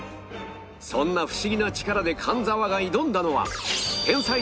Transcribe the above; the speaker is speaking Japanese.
そんなフシギな力で神沢が挑んだのは